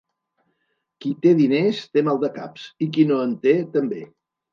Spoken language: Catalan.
Qui té diners té maldecaps i qui no en té, també.